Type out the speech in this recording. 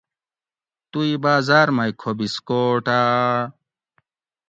تُوئی بازاۤر مئی کھو بِسکوٹاۤ